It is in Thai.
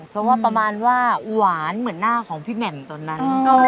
เพราะว่าประมาณว่าหวานเหมือนหน้าของพี่แหม่มตอนนั้น